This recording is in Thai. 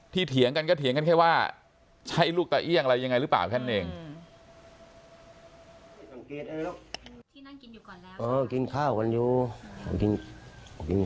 เถียงกันก็เถียงกันแค่ว่าใช่ลูกตะเอี่ยงอะไรยังไงหรือเปล่าแค่นั้นเอง